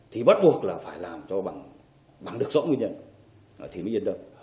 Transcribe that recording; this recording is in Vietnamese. thì bắt buộc là phải làm cho bằng được rõ nguyên nhân thì mới yên tâm